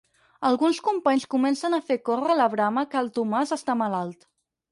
Alguns companys comencen a fer córrer la brama que el Tomàs està malalt.